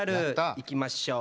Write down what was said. いきましょう。